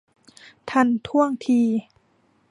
ทันท่วงที